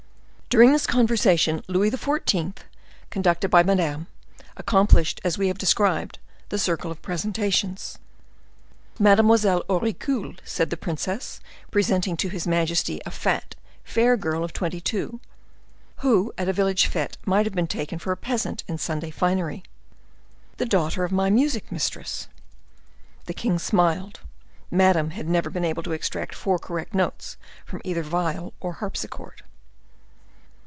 During this conversation, Louis XIV., conducted by Madame, accomplished, as we have described, the circle of presentations. "Mademoiselle Auricule," said the princess, presenting to his majesty a fat, fair girl of two and twenty, who at a village fete might have been taken for a peasant in Sunday finery,—"the daughter of my music mistress." The king smiled. Madame had never been able to extract four correct notes from either viol or harpsichord.